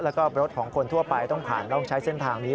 แล้วก็รถของคนทั่วไปต้องผ่านต้องใช้เส้นทางนี้